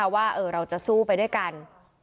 ว่าเราจะสู้ไปด้วยกัน